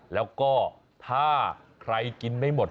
แล้วก็ถ้าใครกินไม่หมด